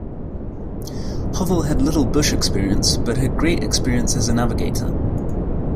Hovell had little bush experience, but had great experience as a navigator.